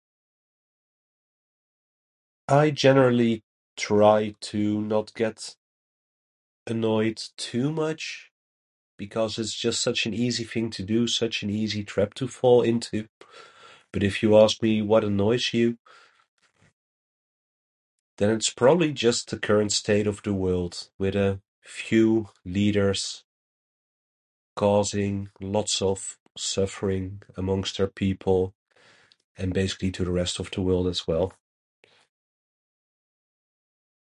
"I generally try to not get annoyed too much, because it's just such an easy thing to do, such an easy trap to fall into. But, if you ask me, ""What annoys you?"", then it's probably just the current state of the world. With a few leaders causing lots of suffering amongst their people, and basically to the rest of the world, as well."